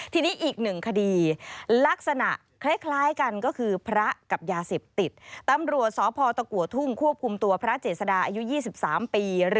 ทีนี้อีกหนึ่งคดี